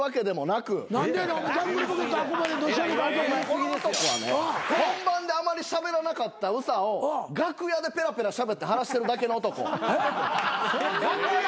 この男はね本番であまりしゃべらなかった憂さを楽屋でペラペラしゃべって話してるだけの男。